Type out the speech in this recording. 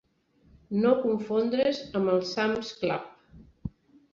No confondre's amb el Sam's Club.